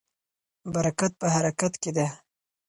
برکت په حرکت کې دی.